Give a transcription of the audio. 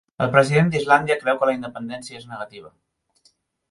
El president d'Islàndia creu que la independència és negativa